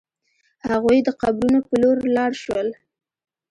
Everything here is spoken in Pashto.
هغوی د قبرونو په لور لاړ شول.